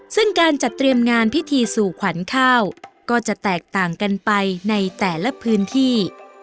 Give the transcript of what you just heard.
ซึ่งการจัดเตรียมงานพิธีสู่ขวัญข้าวก็จะแตกต่างกันไปในแต่ละพื้นที่